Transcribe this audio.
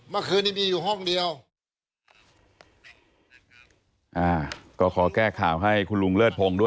เมื่อคืนนี้มีอยู่ห้องเดียว